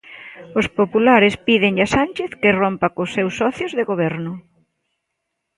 Os populares pídenlle a Sánchez que rompa cos seus socios de Goberno.